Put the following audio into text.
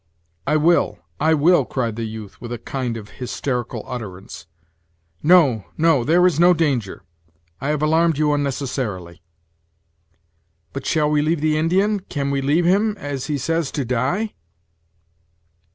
"I will I will," cried the youth, with a kind of hysterical utterance. "No, no there is no danger I have alarmed you unnecessarily." "But shall we leave the Indian can we leave him, as he says, to die?"